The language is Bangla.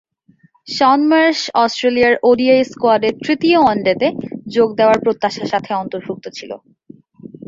শন মার্শ অস্ট্রেলিয়ার ওডিআই স্কোয়াডে তৃতীয় ওয়ানডেতে যোগ দেওয়ার প্রত্যাশার সাথে অন্তর্ভুক্ত ছিল।